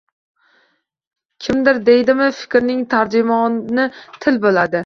Kimdir deydiki, fikrning tarjimoni til bo‘ladi